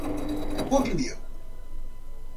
Pugmil